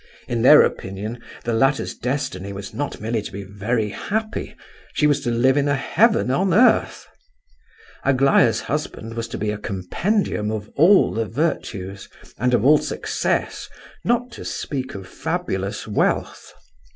In their opinion, the latter's destiny was not merely to be very happy; she was to live in a heaven on earth. Aglaya's husband was to be a compendium of all the virtues, and of all success, not to speak of fabulous wealth.